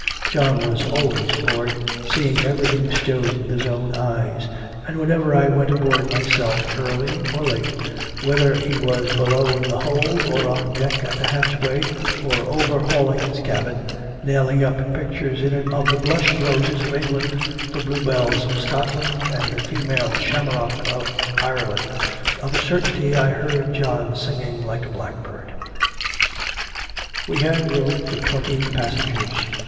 John was always aboard, seeing everything stowed with his own eyes; and whenever I went aboard myself early or late, whether he was below in the hold, or on deck at the hatchway, or overhauling his cabin, nailing up pictures in it of the Blush Roses of England, the Blue Belles of Scotland, and the female Shamrock of Ireland: of a certainty I heard John singing like a blackbird. We had room for twenty passengers.